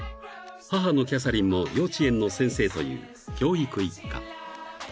［母のキャサリンも幼稚園の先生という教育一家］